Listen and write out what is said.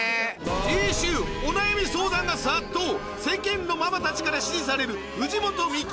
次週お悩み相談が殺到世間のママたちから支持される藤本美貴